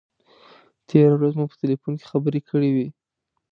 تېره ورځ مو په تیلفون کې خبرې کړې وې.